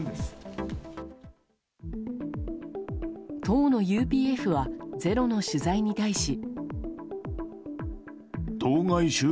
当のＵＰＦは「ｚｅｒｏ」の取材に対し。